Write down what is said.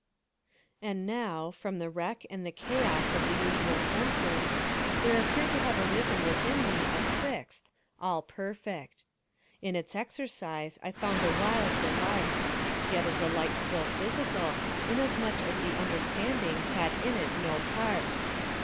And now, from the wreck and the chaos of the usual senses, there appeared to have arisen within me a sixth, all perfect. In its exercise I found a wild delight—yet a delight still physical, inasmuch as the understanding had in it no part.